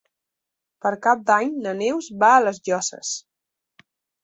Per Cap d'Any na Neus va a les Llosses.